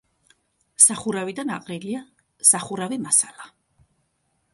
სახურავიდან აყრილია სახურავი მასალა.